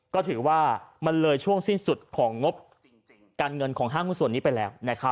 ก็ถือว่ามันเลยช่วงสิ้นสุดของงบการเงินของห้างหุ้นส่วนนี้ไปแล้ว